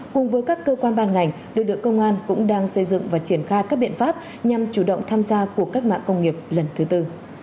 cùng với các cơ quan ban ngành lực lượng công an cũng đang xây dựng và triển khai các biện pháp nhằm chủ động tham gia cuộc cách mạng công nghiệp lần thứ tư